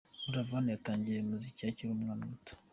Buravan yatangiye muzika akiri umwana muto.